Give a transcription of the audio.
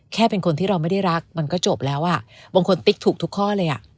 แค่เป็นคนที่เราไม่ได้รักมันก็จบแล้วอ่ะบางคนติ๊กถูกทุกข้อเลยอ่ะ